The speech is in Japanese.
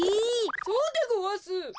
そうでごわす。